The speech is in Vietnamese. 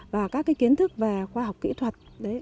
và các kiến thức về khoa học kỹ thuật